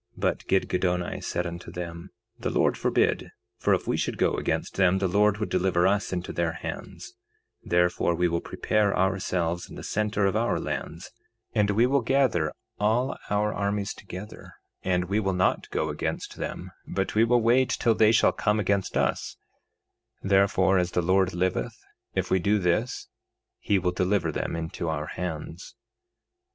3:21 But Gidgiddoni saith unto them: The Lord forbid; for if we should go up against them the Lord would deliver us into their hands; therefore we will prepare ourselves in the center of our lands, and we will gather all our armies together, and we will not go against them, but we will wait till they shall come against us; therefore as the Lord liveth, if we do this he will deliver them into our hands.